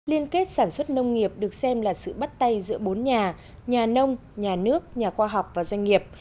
liên kết sản xuất nông nghiệp được xem là sự bắt tay giữa bốn nhà nhà nông nhà nước nhà khoa học và doanh nghiệp